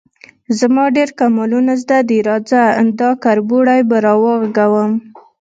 _زما ډېر کمالونه زده دي، راځه، دا کربوړی به راوغږوم.